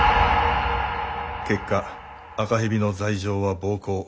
結果赤蛇の罪状は暴行。